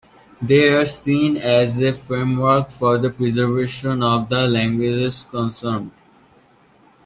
They are seen as a framework for the preservation of the languages concerned.